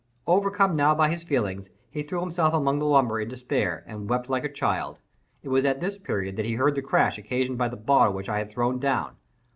Overcome now by his feelings, he threw himself among the lumber in despair, and wept like a child. It was at this period that he heard the crash occasioned by the bottle which I had thrown down.